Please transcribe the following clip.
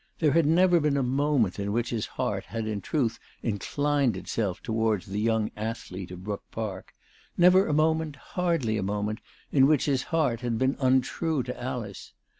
There had never been a moment in which his heart had in truth inclined itself towards the young athlete of Brook Park, never a moment, hardly a moment, in which his heart had been untrue to Alice.